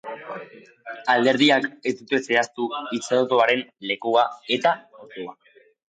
Alderdiek ez dute zehaztu hitzorduaren lekua eta ordua.